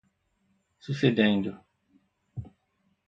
sucedendo